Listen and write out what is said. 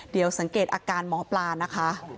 เดี๋ยวสังเกตอาการหมอปลานะคะ